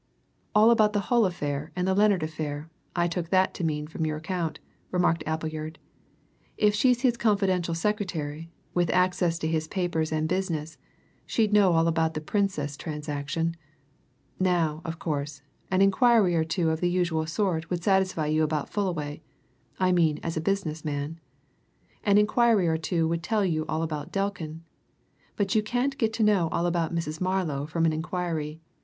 "All about the Hull affair and the Lennard affair, I took that to mean from your account," remarked Appleyard. "If she's his confidential secretary, with access to his papers and business, she'd know all about the Princess transaction. Now, of course, an inquiry or two of the usual sort would satisfy you about Fullaway I mean as a business man. An inquiry or two would tell you all about Delkin. But you can't get to know all about Mrs. Marlow from any inquiry.